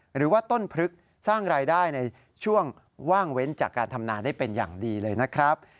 หรือว่าต้นพลึกสร้างรายได้ในช่วงว่างเว้นจากการทำนาได้เป็นอย่างดีเลยนะครับ